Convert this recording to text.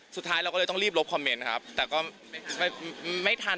สุดท้ายเราก็เลยต้องรีบลบคอมเมนต์ครับแต่ก็ไม่ทัน